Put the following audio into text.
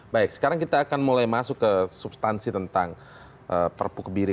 baik sekarang kita akan mulai masuk ke substansi tentang perpu kebiri